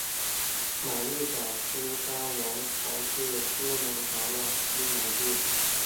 马六甲苏丹王朝至苏门答腊西南部。